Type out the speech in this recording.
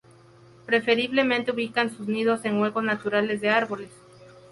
Preferiblemente ubican sus nidos en huecos naturales de árboles.